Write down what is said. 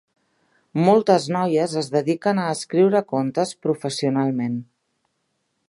Moltes noies es dediquen a escriure contes professionalment.